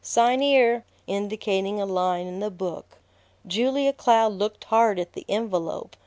"Sign 'ere!" indicating a line in the book. Julia Cloud looked hard at the envelope.